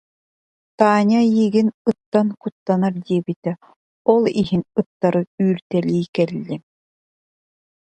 Таня эйигин ыттан куттанар диэбитэ, ол иһин ыттары үүртэлии кэллим